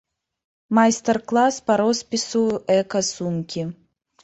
Майстар-клас па роспісу эка-сумкі.